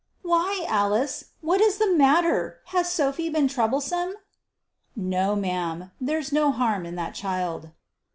"Why, Alice? What is the matter? Has Sophy been troublesome?" "No, ma'am; there's no harm in that child."